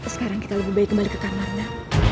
sekarang kita lebih baik kembali ke kamarnya